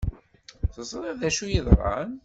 Teẓriḍ d acu i yeḍran?